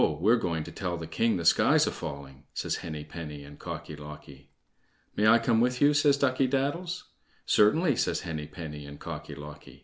we're going to tell the king the sky's a falling," says Henny penny and Cocky locky. "May I come with you?" says Ducky daddles. "Certainly," says Henny penny and Cocky locky.